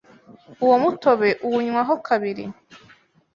uwo mutobe uwunywaho kabiri.